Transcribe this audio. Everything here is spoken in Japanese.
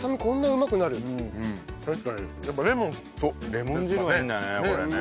レモン汁がいいんだねこれね。